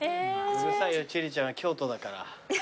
うるさいよ千里ちゃんは京都だから。